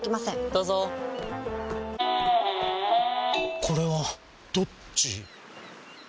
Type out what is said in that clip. どうぞこれはどっち？